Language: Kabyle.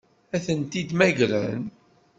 Ad tent-id-mmagren?